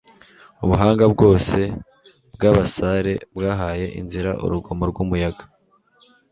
ubuhanga bwose bwabasare bwahaye inzira urugomo rwumuyaga